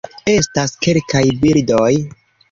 Estas kelkaj bildoj